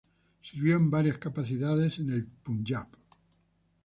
Sirvió en varias capacidades en el Punyab.